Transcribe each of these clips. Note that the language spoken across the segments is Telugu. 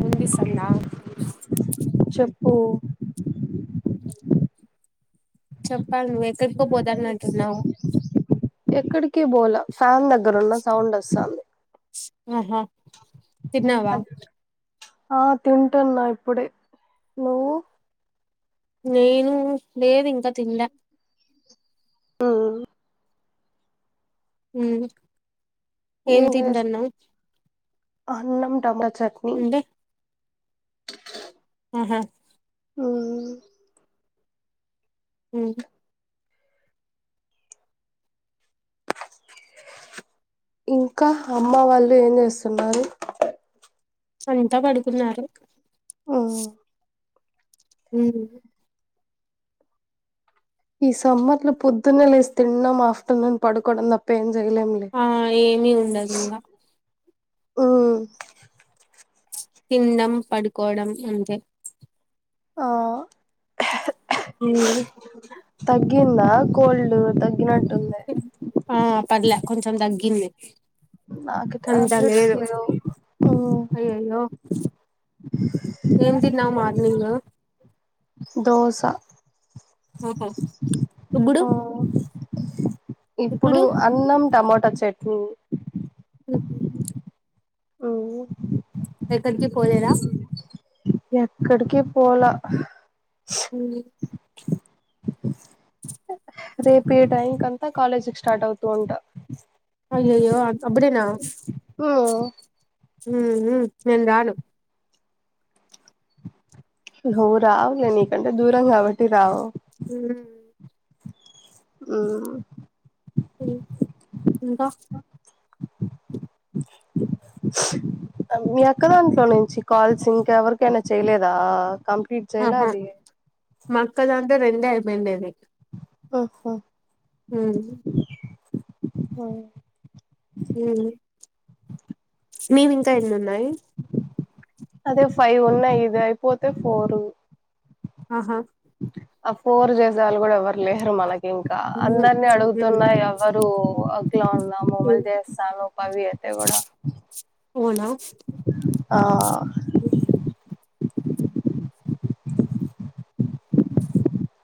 ముంది స్తందా చెప్పూ చెప్పాలి నువ్ ఎక్కడ్ కు పోతాన్నట్టున్నావు. ఎక్కడికి బోలా ఫ్యాన్ దగ్గర ఉన్న సౌండ్ వస్తాంది ఆహా తిన్నావా అద్ ఆ తింటున్న ఇప్పుడే నువ్వు నేను లేేదు ఇంకా తిన్లా ఒ ఉమ్ ఏం తింటన్నావ్. అన్నం టమా చట్నీ ఊహూ హ్మ్ హ్మ్ ఇంకా అమ్మ వాళ్ళు ఏం చేస్తున్నారు అంతా పడుకున్నారు ఉమ్ హ్మ్ ఈ సమ్మర్ లో పొద్దున్న లేసి తినడం ఆఫ్టర్నూన్ పడుకోవడం తప్ప ఏం చేయలేం లే ఆ ఏమి ఉండదు ఇంకా హ్మ్ తిండం పడుకోవడం అంతే ఆ హ్మ్ తగ్గిందా కోల్డ్ తగ్గినట్ ఆ పర్లే కొంచెం తగ్గింది నాకు అంత టాబ్లెట్స్ లేదు లేవు ఉమ్ అయ్యయ్యో ఏం తిన్నావు మార్నింగ్ దోస ఊహూ ఇప్పుడు ఉమ్ ఇప్పుడు అన్నం టమాటా చట్నీ హ్మ్ హ్మ్ ఎక్కడికి పోలేదా ఎక్కడికి పోలా హ్మ్ రేపు ఈ టైం కి అంతా కాలేజ్కి స్టార్ట్ అవుతూ ఉంట అయ్యయ్యో అప్పుడేనా హ్మ్ మ్మ్ నేను రాను నువ్వు రావులే నీకంటే దూరం కాబట్టి రావు ఉమ్. హ్మ్ ఇంకా మీ అక్క దాంట్లో నుంచి కాల్స్ ఇంకెవరికయినా చేయలేదా కం ఆహా మా అక్క దాంట్లో రెండే అయిపోండేది ఓహో హ్మ్ ఆ నీవి ఇంకా ఎన్ని ఉన్నాయి అదే ఫైవ్ ఉన్నాయి ఇది అయిపోతే ఫోరు ఆహా కోరు చేసేవాళ్ళు కూడా ఎవ్వరు లేరు మనకి ఇంకా ఉమ్. అందరినీ ఉమ్. అడుగుతున్నా ఎవరు లా మమ్మల్ని ఉమ్. చేస్తాను పది ఐతే కూడా ఆ హ్మ్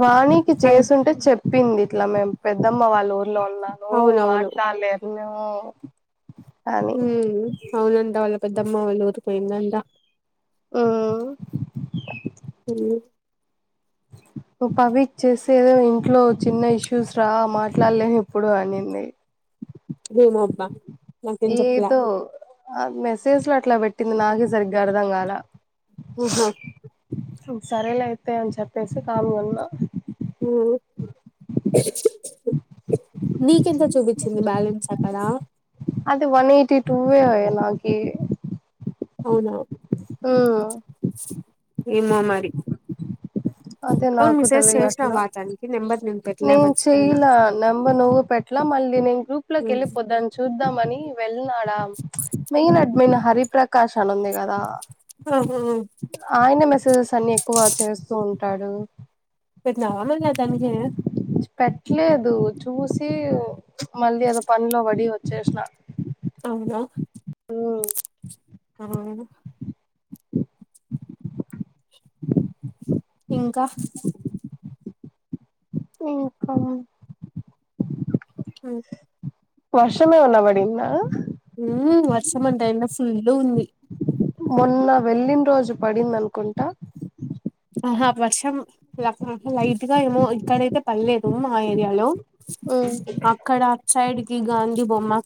వాణికి అయ్, చేసింటే చెప్పింది ఇట్లా మేము పెద్ద అమ్మ వాళ్ళ ఊర్లో ఉన్నాను అవునవును మాట్లాడలేను అని హ్మ్ అవునంట వాళ్ళ పెద్దమ్మ వాళ్ళు ఊరుపోయిందంట ఆ హ్మ్ పవ ఇచ్చేసి ఏదో ఇంట్లో చిన్న ఇష్యూస్ రా మాట్లాడలేను ఇప్పుడు అనింది ఏమో అబ్బా నాకేం చెప్పలే ఏదో మెసేజ్ లో అట్లా పెట్టింది నాకే సరిగ్గా అర్థంగాల ఉహ సరేలే అయితే అని చెప్పేసి కామ్ ఉన్నా ఉ నీకెంత చూపించింది బ్యాలెన్స్ అక్కడ అది వన్ ఎయిటీ టూవే ఏ నాకి అవునా ఆ ఏమో మరి అదే అవును నాకు మెసేజ్ తెలిదు అట్లా చేసినావా తనకి నెంబర్ పెట్టలే నేను మర్చిపోయినా చెయ్యలా నెంబర్ నువ్వు పెట్లా మళ్ళీ నేను గ్రూప్ లో ఉమ్. వెళ్ళిపోద్దాని చూద్దాంమని వెళ్ ఉన్నాడా మెయిన్ అడ్మెన్ హరిప్రకాష్ చన్ ఉంది కదా ఆహా. ఆయన మెసేజెస్ తన్ని ఎక్కువ చేస్తూ ఉంటాడు పెట్టినవా మల్ల దానికి పెట్టలేదు చూసి మళ్ళీ అదో పనిలో వడి వచ్చేసిన అవునా ఉ అహు అహు ఇంకా శెంకరా ఉ వర్షం ఏమన్నా వాడిందా ఉ వర్షం అంట ఎండ ఫుల్లు ఉంది మొన్న వెళ్ళిన రోజు పడింది అనుకుంటా ఆహా వర్షం లైట్ గా ఏమో ఇక్కడైతే పర్లేదు మా ఏరియాలో ఉమ్, అక్కడ అటు సైడ్ కి గాంధీ బొమ్మా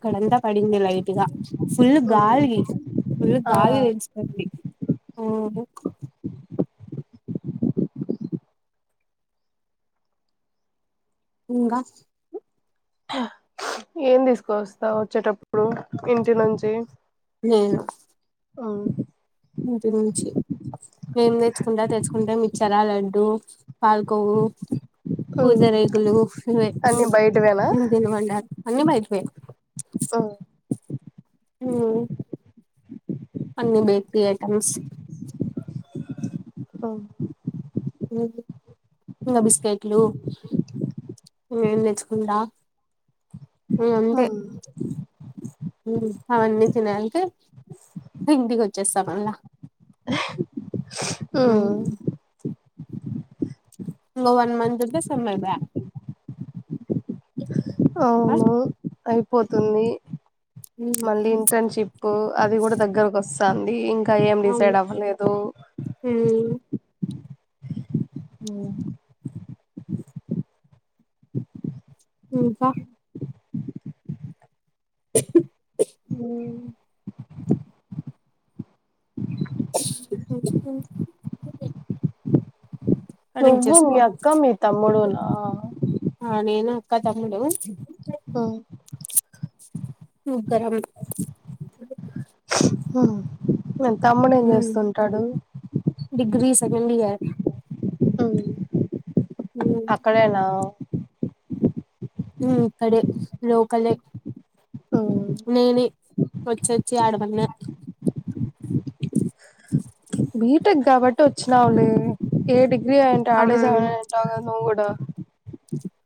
పడింది లైట్ గా ఫుల్ ఉమ్, గాలి ఫుల్ ఆ గాలి వీలుస్తుంది ఒహో ఇకా ఏం తీసుకొస్తా వచ్చేటప్పుడు ఇంటి నుంచి నేను ఓ ఇంటి నుంచి డో పాల్కవు పూత ఉమ్. రేకులు ఈవె అన్ని బయటవేనా తిను తినమంటారు అన్ని బయటవే అ ఊ అన్ని బేకరీ ఐటమ్స్ పమ్ ఇంగా బిక్కెట్లు మేము తెచ్చుకొనుడా ఉ అంతే ఉ అవన్నీ తినే యలకే ఇంటికి వచ్చేస్తా మల్లా ఉ ఇంకో ఇంకో వన్ మంత్ ఉంటే సమయిపోయా అవును అయ్యిపోతుంది మళ్ళీ ఇంటర్న్షిప్ అది కూడా దగ్గరకు వస్త ది ఇంకా ఇంకా ఏం అవును డిసైడ్ అవ్వలేదు ఉ ఇంకా ఉమ్ [unintelligible] నువ్వు మీ ఆరెంజ్చేసుకో అక్క మీ తమ్ముడునా ఆ నేను కథమ్ముడు ఆ ముగ్గురం హ మరి తమ్ముడు ఏం చేస్తుంటాడు డిగ్రీ సెకండ్ ఇయర్ అక్కడేనా ఉమ్ ఇక్కడే లోకలే నేనే వచ్చోచ్చి ఆడ పన్న బీటెక్ కాబట్టి వచ్చివ్లే ఏ డిగ్ డిగ్రీ అయ్యుంటే ఆడే సాధివుంటావ్ కథకద నవ్వు కూడా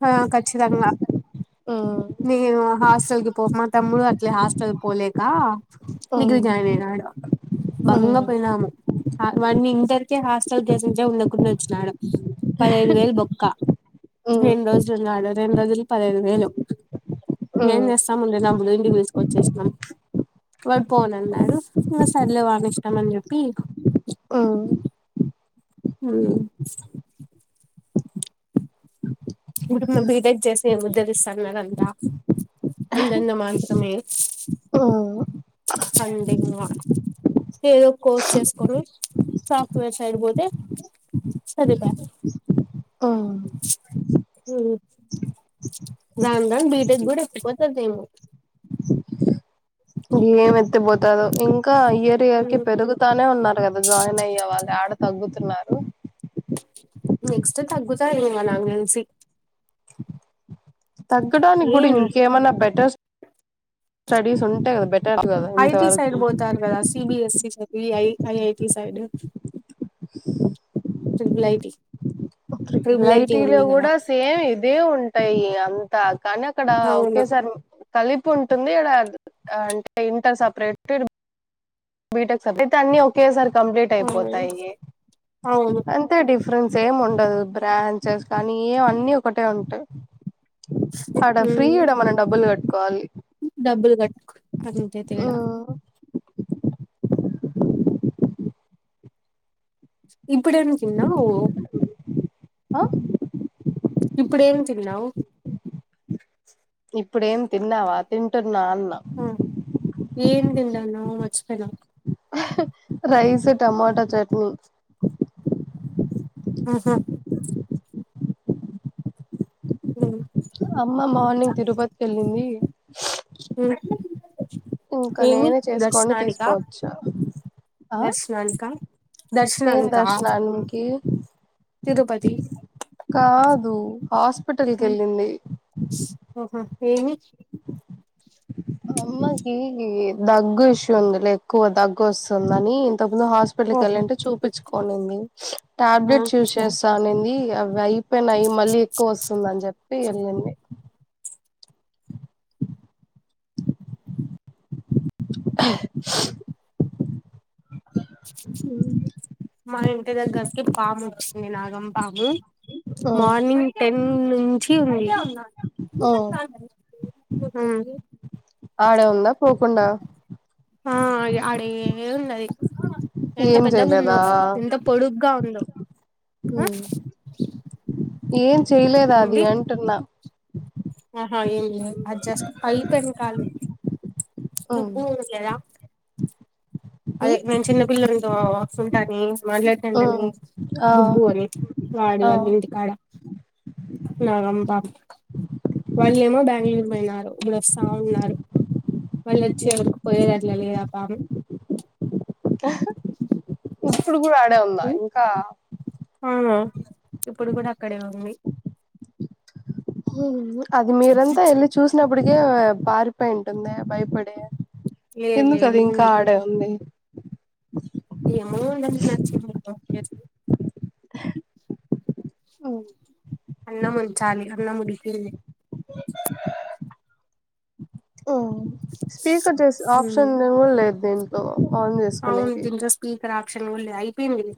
ఆ ఖచ్చితంగా ఉమ్ నేను హస్ హాస్టల్కి పోమా తమ్ముడు అట్లే హాస్టల్ పోలేక డిగ్రీ జాయిన్ అయినాడు భంగ ఉమ్ పోయినాము ఆ వాని ఇంటరికే హాస్టల్ దేశే ఉండకుండా వచ్చినడు పదైదు వేలు బొక్కా రెండు రోజులున్నాడు రెండు రోజులు పదిహేను వేలు ఏం చేస్తాముండిన ఇంగ ఇంటికి తీసుకొచ్చేసినాం వాడు పోనన్నాడు ఇంకా సర్లే వానీ ఇష్టం అని చెప్పి ఉమ్ ఇప్పుడు నవ్వు బీటెక్ చేసి ఏ ఉద్ధరిస్తాన్నారంత అంతంత మాత్రమే కండింగా ఏదో కోర్స్ చేస్కోరు సాఫ్ట్వేర్ సైడ్ పోతే సరిపై ఆ ఉమ్ రాన్ రన్ బీటెక్ కూడా ఎక్కితదేమో ఏం ఎత్తి పోతదో ఇం కా ఇయర్ ఇయర్ కి పెరుగుతానే ఉన్నారు కదా జాయిన్ అయ్యే వాళ్ళు ఆడ తగ్గుతున్నారు నెక్స్ట్ తగ్గుతారెమో నక్ తెల్సి తగ్గడానికి కూడా ఏంది ఇంకేమన్నా బెటర్స్ స్టడీస్ ఉంటే కదా బ ఐటి సైడ్ పోతారుకదా సిబిఎస్ఈ సైడ్ వి ఐఐటి సైడ్ ట్రిపులైటీ ట్రిపులైటీ కూడా సేమ్ ఇదే ఉంటాయి అంతా కానీ అక్కడ అవును ఒకేసారి కలిపి ఉంటుంది ఇక్కడ అంటే ఇంటర్ సపరేట్ ఇ బీటెక్ సబ్ అన్ని ఓకే సార్ కంప్లీట్ అవును అయిపోతాయి అవును అంతే డిఫరెన్స్ ఏ బ్రాంచెస్ కానీ ఏం అన్నీ ఒకటే ఉంటాయి అడ ఫ్రీ ఉమ్ ఇడ మనం డబ్బులు కట్ డబ్బులు కట్టు అంతే తేడా ఎప్పుడేం తిన్నావ్వ్ ఆ ఇప్పుడేం తన్నావు ఇప్పుడేం తిన్నావా తింటు ఆ ఏం తింటానో మర్చిపోయిన రైస్ టమాటో చట్నీ ఆహా ఉ అమ్మ మార్నింగ్ తిరుపతికి వెళ్ళింది ఇంకా ఏమి నేనే చేసుకొని దర్శనానిక తీసుకోవచ్చా దర్శనానిక ఏన్ దర్శనానింకి తిరుపతి కా అ హాస్పిటల్ కి వెళ్ళింది ఏమీ అమ్మకి దగ్గు ఇష్యూ లే ఎక్కువ దగ్గు వస్తుందని తప్పుందు హాస్పిటల్ క ఓహో వెళ్ళంటే చూపించుకోనింది ఆ టాబ్లెట్స్ యూజ్ చేస్తా అనేంది అవి అయిపోయినాయి మళ్ళీ ఎక్కువ వస్తుంద అని చెప్పి వెళ్ళండి ఉ హు దగ్గు సౌండ్ మా ఇంటి దగ్గరకి పాము వచ్చింది నాగం పాము ఉమ్ మార్నింగ్ టెన్ నుంచి ఉంది ఉమ్ ఉ హు ఆడే ఉందా పోకుండా ఆ అడే ఉన్నది ఎంత ఏం పెద్దగా ఉందో చేయలేదా ఎంత పొడుగగా ఉందో ఆ ఏం చేయలేదా అది ఏంటి అంటున్నా ఏం అది జస్ట్ పై పె కాలే ఉమ్ దుబ్బు చూడలేదా అదే ఉమ్ నేను చిన్నపిల్లతో వక్స్తు ఉంటాని మాట్లాడతాండ ఉమ్ అని ఆ దుబ్బు అని ఆ వాడివాళు ఇంటికాడ నాగు పాము వానీ ఏమో బెంగళూరు పోయినారు వాళ్లు వస్తా ఉన్నారు వాళ్ళు వచ్చే వరకు పోయి తట్టు లేదు పాము ఇప్పుడు కూడా ఆడే ఉందా ఇంకా ఆ ఇప్పుడు కూడా అక్కడే ఉంది అది మీరంతా వెళ్ళి చూసినప్పటికే పారిపోయింది భయపడే లేదు ఎందుకు లేదు అది ఇంకా ఉంది ఆడే ఉంది ఏమో మరి దానికి నచ్చింది ప్లేస్ ఉ అన్న ముంచాలి ఉంచాలి అన్న మిగిలింది స్పీకర్ చేస ఆప్షన్ కూడా లేదు దీంట్లో ఆన్ అవును చేసుకునేకి దీంట్లో స్పీకర్ ఆప్షన్ కూడా లేదు అయిపోయింది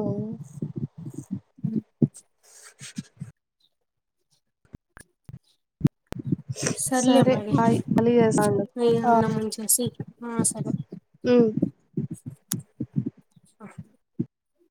అవును చీకటి సౌండ్ బోలో సౌండ్ సర్లే సరే మరి బాయ్ మల్ల చేస్తా ఉండు నేను అన్నం ఉంచేసి ఆ సరే ఉ ఆ